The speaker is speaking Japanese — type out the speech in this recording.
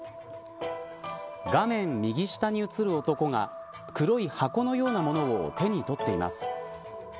画面右下に映る男が黒い箱のようなものを手に取っています。